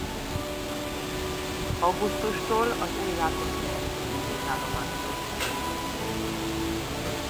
Augusztustól az új rákoskeresztúri végállomásról indult.